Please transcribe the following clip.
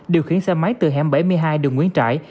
điều khiển xe máy từ hẻm bảy mươi hai đường nguyễn trãi